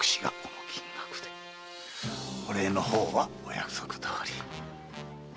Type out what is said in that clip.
お礼の方はお約束どおり。